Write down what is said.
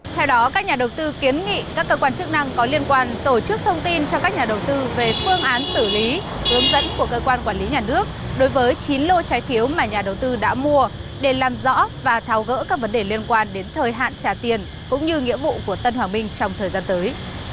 theo đó các nhà đầu tư kiến nghị các cơ quan chức năng có liên quan tổ chức thông tin cho các nhà đầu tư về phương án xử lý hướng dẫn của cơ quan quản lý nhà nước đối với chín lô trái phiếu mà nhà đầu tư đã mua để làm rõ và tháo gỡ các vấn đề liên quan đến thời hạn trả tiền cũng như nghĩa vụ của tân hoàng minh trong thời gian tới